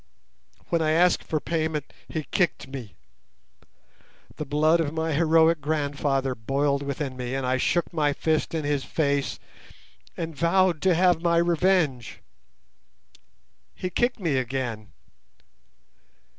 When I asked for payment he kicked me. The blood of my heroic grandfather boiled within me, and I shook my fist in his face and vowed to have my revenge. He kicked me again.